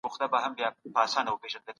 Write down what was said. که انلاین تدریس وي نو وخت نه ضایع کیږي.